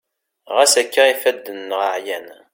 ɣas akka ifadden-nneɣ ɛyan